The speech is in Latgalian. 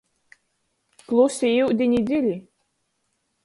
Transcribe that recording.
Klusi iudini dzili.